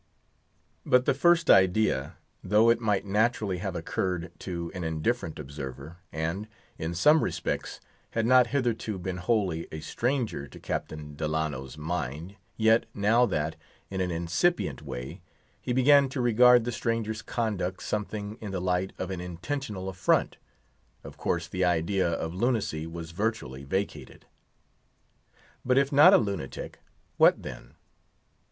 But the first idea, though it might naturally have occurred to an indifferent observer, and, in some respect, had not hitherto been wholly a stranger to Captain Delano's mind, yet, now that, in an incipient way, he began to regard the stranger's conduct something in the light of an intentional affront, of course the idea of lunacy was virtually vacated. But if not a lunatic, what then?